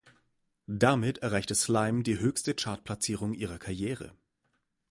Damit erreichte Slime die höchste Chartplatzierung ihrer Karriere.